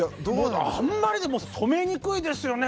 あんまりでも染めにくいですよね。